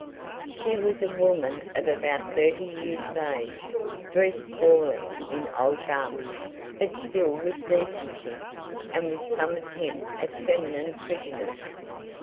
She was a woman of about thirty years of age, dressed poorly, in old garments, but still with decency, and with some attempt at feminine prettiness.